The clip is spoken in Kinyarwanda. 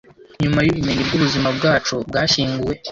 Nyuma yubumenyi bwubuzima bwacu bwashyinguwe;